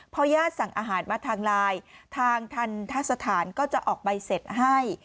พอญาติสั่งอาหารมาทางไลน์ทางทันทะสถานก็จะออกใบเสร็จให้